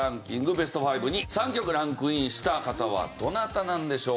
ベスト５に３曲ランクインした方はどなたなんでしょうか？